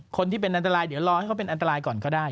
คนที่เป็นอันตรายเดี๋ยวรอให้เขาเป็นอันตรายก่อนก็ได้